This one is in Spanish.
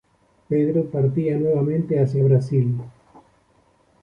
Pedro partía nuevamente hacia Brasil.